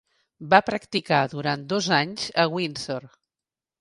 Va practicar durant dos anys a Windsor.